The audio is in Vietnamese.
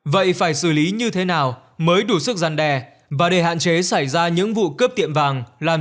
vậy phải xử lý như thế nào mới đủ sức giăn đè và để hạn chế xảy ra những vụ cướp tiệm vàng làm